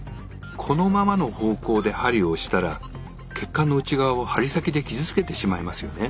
このままの方向で針を押したら血管の内側を針先で傷つけてしまいますよね。